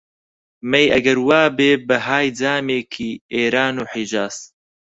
مەی ئەگەر وا بێ بەهای جامێکی، ئێران و حیجاز